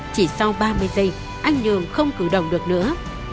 chỉ sau ba mươi giây anh nhường không cử đồng được nữa